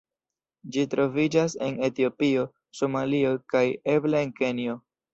Ĝi troviĝas en Etiopio, Somalio, kaj eble en Kenjo.